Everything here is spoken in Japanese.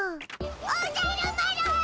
おじゃる丸！